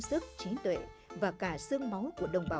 sụp đổ tan đành